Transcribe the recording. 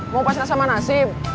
mau pasrah sama nasib